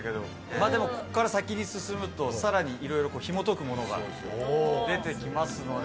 まぁでもこっから先に進むとさらにいろいろひもとくものが出て来ますので。